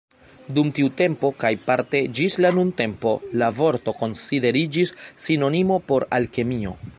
Dum tiu tempo kaj parte ĝis la nuntempo, la vorto konsideriĝis sinonimo por Alkemio.